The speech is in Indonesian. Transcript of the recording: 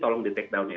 tolong di take down nya